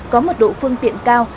có mật độ phương tiện cao